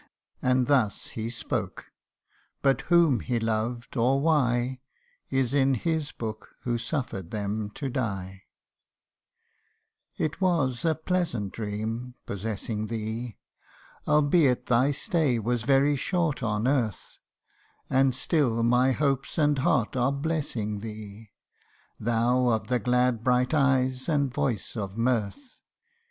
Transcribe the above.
And thus he spoke, but whom he loved, or why, Is in His book who suffer'd them to die :" It was a pleasant dream possessing thee, Albeit thy stay was very short on earth : CANTO IV. 147 And still my hopes and heart are blessing thee, Thou of the glad bright eyes and voice of mirth.